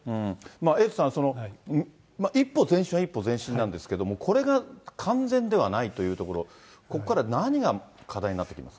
エイトさん、一歩前進は一歩前進なんですけれども、これが完全ではないというところ、ここから何が課題になってきますか。